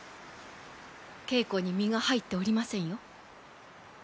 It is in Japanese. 稽古に身が入っておりませんよ。